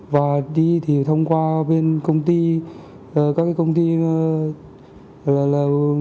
và đi thì thông qua bên công ty các cái công ty là